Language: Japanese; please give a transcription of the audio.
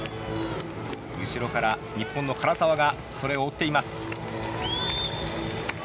後ろから日本の唐澤がそれを追っています。